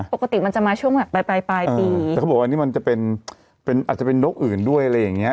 ปกติมันจะมาช่วงแบบปลายปลายปีแต่เขาบอกว่านี่มันจะเป็นเป็นอาจจะเป็นนกอื่นด้วยอะไรอย่างเงี้